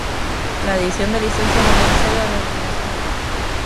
La edición de licencia más necesaria era la iluminación juego de campo.